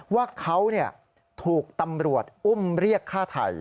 ว่าเขาถูกตำรวจอุ้มเรียกฆ่าไทย